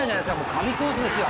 神コースですよ。